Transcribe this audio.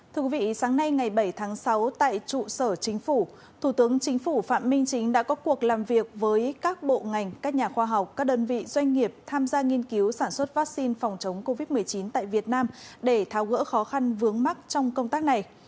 thưa quý vị sáng nay ngày bảy tháng sáu tại trụ sở chính phủ thủ tướng chính phủ phạm minh chính đã có cuộc làm việc với các bộ ngành các nhà khoa học các đơn vị doanh nghiệp tham gia nghiên cứu sản xuất vaccine phòng chống covid một mươi chín tại việt nam để tháo gỡ khó khăn vướng mắt trong công tác này